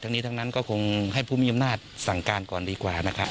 ทั้งนี้ทั้งนั้นก็คงให้ผู้มีอำนาจสั่งการก่อนดีกว่านะครับ